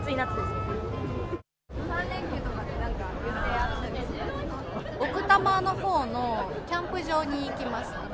３連休とかってなんか、奥多摩のほうのキャンプ場に行きます。